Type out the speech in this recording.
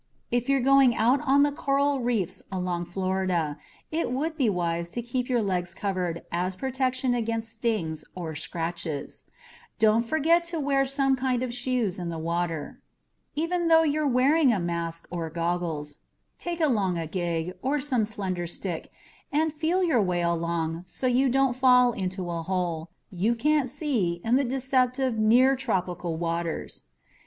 If you're going out on the coral reefs along Florida, it would be wise to keep your legs covered as protection against stings or scratches. Don't ever forget to wear some kind of shoes in the water. Even though you're wearing a mask or goggles, take along a gig or some slender stick and feel your way along so you don't fall into a hole you can't see in the deceptive near tropical waters.